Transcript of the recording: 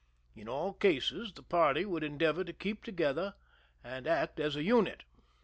In all cases the party would endeavor to keep together and act as a unit.